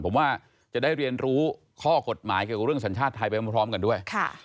ผมว่าจะได้เรียนรู้ข้อกฎหมายเกี่ยวกับเรื่องสัญชาติไทยไปพร้อมกันด้วย